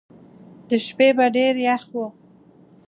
د شپې به ډېر یخ وو.